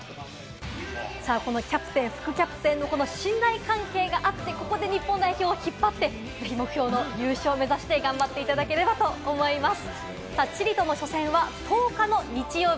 このキャプテン、副キャプテンの信頼関係があって、ここで日本代表を引っ張って、目標の優勝目指して、頑張っていただきたいなと思います。